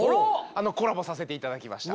コラボさせていただきました。